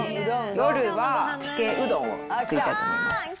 夜は、つけうどんを作りたいと思います。